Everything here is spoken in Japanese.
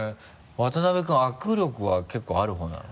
渡辺君握力は結構ある方なの？